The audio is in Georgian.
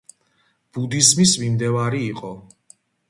ბუდიზმის მიმდევარი იყო.